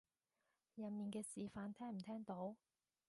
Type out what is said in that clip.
入面嘅示範聽唔聽到？